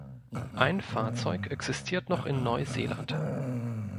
Ein Fahrzeug existiert noch in Neuseeland.